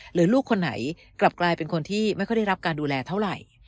หรือลูกคนไหนกลับกลายเป็นคนที่ไม่ค่อยได้รับการดูแลเท่าไหร่